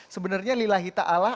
sebenarnya lillah hita allah